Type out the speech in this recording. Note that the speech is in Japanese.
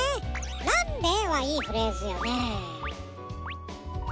「なんで？」はいいフレーズよね。